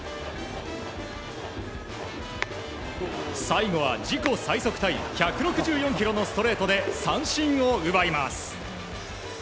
最後は自己最速タイ１６４キロのストレートで三振を奪います。